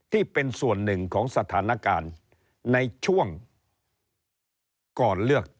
ที่เป็นส่วนหนึ่งของสถานการณ์ในช่วงก่อนเลือกตั้ง